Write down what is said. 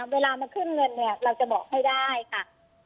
เวลามันขึ้นเงินเราจะบอกให้ได้ค่ะ